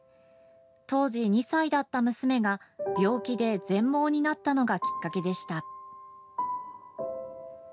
当時２歳だった娘が、病気で全盲になったのがきっかけでした。